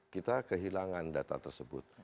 kita kehilangan data tersebut